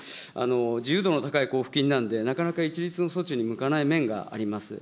自由度の高い交付金なんで、なかなか一律の措置に向かない面があります。